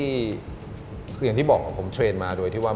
คืออย่างที่บอกว่าผมเทรนมาโดยที่ว่า